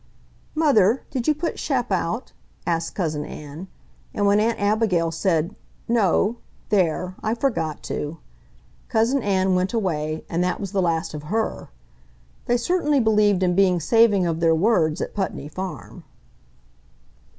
"Mother, did you put Shep out?" asked Cousin Ann; and when Aunt Abigail said, "No! There! I forgot to!" Cousin Ann went away; and that was the last of HER. They certainly believed in being saving of their words at Putney Farm.